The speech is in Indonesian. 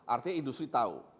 artinya industri tahu